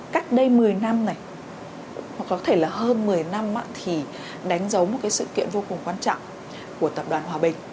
cách đây một mươi năm này hoặc có thể là hơn một mươi năm thì đánh dấu một cái sự kiện vô cùng quan trọng của tập đoàn hòa bình